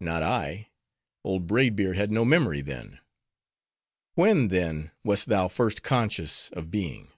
"Not I. Old Braid Beard had no memory then." "When, then, wast thou first conscious of being?"